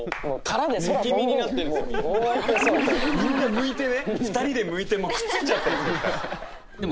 みんなむいてね２人でむいてくっついちゃってるから。